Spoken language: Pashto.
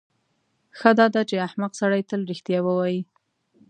ښه داده چې احمق سړی تل رښتیا ووایي.